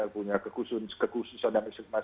punya kekhususan dan ekstermasi